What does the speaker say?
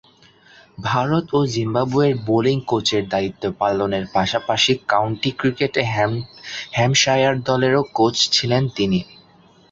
ভারত ও জিম্বাবুয়ের বোলিং কোচের দায়িত্ব পালনের পাশাপাশি কাউন্টি ক্রিকেটে হ্যাম্পশায়ার দলেরও কোচ ছিলেন তিনি।